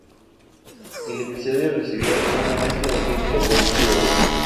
El episodio recibió una mezcla de críticas positivas.